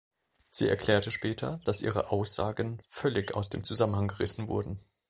Sie erklärte später, dass ihre Aussagen völlig aus dem Zusammenhang gerissen wurden.